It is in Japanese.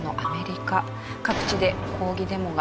各地で抗議デモが。